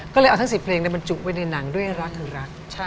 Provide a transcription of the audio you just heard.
ก็เลยเอาทั้ง๑๐เพลงบรรจุไว้ในหนังด้วยรักหรือรัก